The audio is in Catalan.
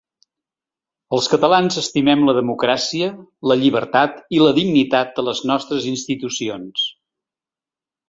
Els catalans estimem la democràcia, la llibertat i la dignitat de les nostres institucions.